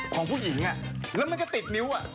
ของผู้หญิงแล้วมันก็ติดนิ้ว